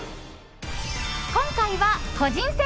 今回は個人戦。